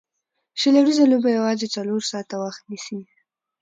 شل اووريزه لوبه یوازي څلور ساعته وخت نیسي.